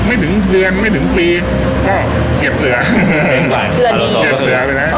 ไม่ถึงเยือนไม่ถึงปีก็เก็บเสือเก็บเสือดีเก็บเสือไปแล้ว